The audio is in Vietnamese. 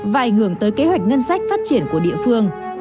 và ảnh hưởng tới kế hoạch ngân sách phát triển của địa phương